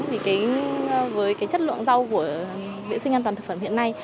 với cái chất lượng rau của viện sinh an toàn thực phẩm hiện nay